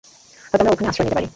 হয়তো আমরা ওখানে আশ্রয় নিতে পারি।